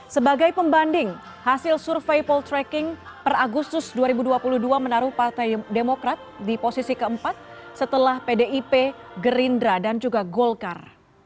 sebagai pembanding hasil survei poltreking per agustus dua ribu dua puluh dua menaruh partai demokrat di posisi keempat setelah pdip gerindra dan juga golkar